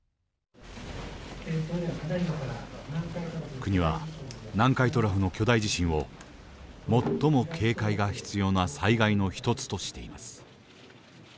国は南海トラフの巨大地震を最も警戒が必要な災害の一つとしています。